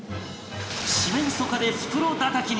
四面楚歌で袋だたきに！